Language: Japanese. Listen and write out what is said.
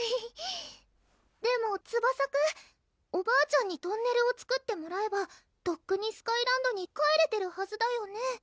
でもツバサくんおばあちゃんにトンネルを作ってもらえばとっくにスカイランドに帰れてるはずだよね？